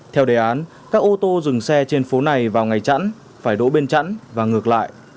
theo đề án các ô tô dừng xe trên phố này vào ngày chẵn phải đỗ bên chẵn và ngược lại